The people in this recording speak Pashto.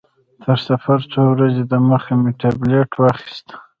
تر سفر څو ورځې دمخه مې ټابلیټ واخیست.